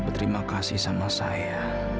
berterima kasih sama saya